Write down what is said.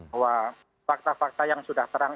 bahwa fakta fakta yang sudah terang